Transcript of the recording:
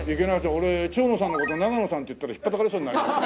俺長野さんの事長野さんって言ったらひっぱたかれそうになりました。